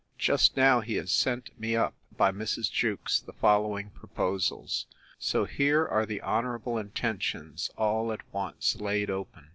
Just now he has sent me up, by Mrs. Jewkes, the following proposals. So here are the honourable intentions all at once laid open.